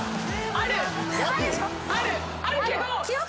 あるけど。